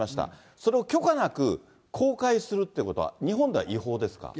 それを許可なく公開するってことは、日本では違法ですか？